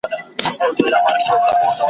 ټول عمر به دې ستايـم، ټول عمر به دا ستا یم